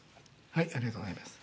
ありがとうございます。